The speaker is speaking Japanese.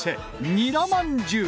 ニラまんじゅう。